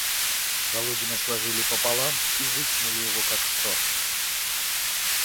Калугина сложили пополам и выкинули его как сор.